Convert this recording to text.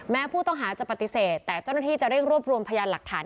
ผู้ต้องหาจะปฏิเสธแต่เจ้าหน้าที่จะเร่งรวบรวมพยานหลักฐาน